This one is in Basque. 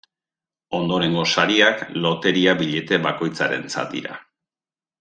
Ondorengo sariak loteria-billete bakoitzarentzat dira.